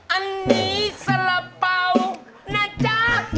อันนี้สละเป๋านะจ๊ะ